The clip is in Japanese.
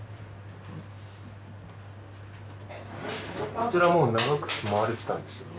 こちらはもう長く住まわれてたんですよね？